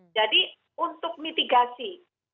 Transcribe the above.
jadi untuk mitigasi